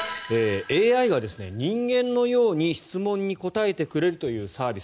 ＡＩが人間のように質問に答えてくれるというサービス